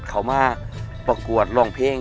เขามาประกวดร้องเพลง